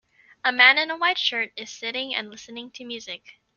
A man in a white shirt Is sitting and listening to music.